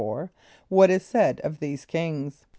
= What is said of these kings?